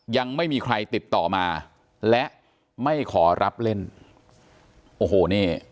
ยังไม่มีใครติดต่อมาและไม่ขอรับเล่นโอ้โหนี่